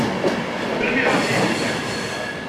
Melmi i iṛuḥ yid-k?